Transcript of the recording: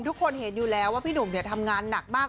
ทุกคนเห็นอยู่แล้วว่าพี่หนุ่มทำงานหนักมาก